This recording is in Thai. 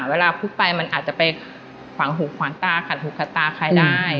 เวลาพุกไปมันอาจจะไปขวางหูขวางตาขัดหูขัดตาใครได้